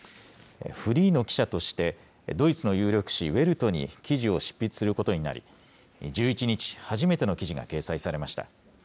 フリーの記者として、ドイツの有力紙、ウェルトに記事を執筆することになり、１１日、初めての記事が掲載されました。